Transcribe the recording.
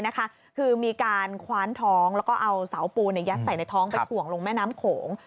คือมีการคว้านท้องแล้วก็เอาเสาปูนยัดใส่ในท้องไปถ่วงลงแม่น้ำโขง